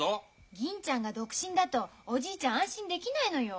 銀ちゃんが独身だとおじいちゃん安心できないのよ。